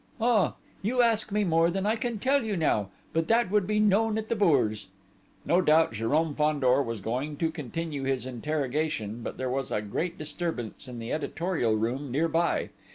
"Ah! You ask me more than I can tell you now ... but that would be known at the Bourse." No doubt Jérôme Fandor was going to continue his interrogation, but there was a great disturbance in the editorial room near by.